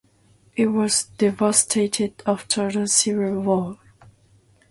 It was devastated after the Civil War.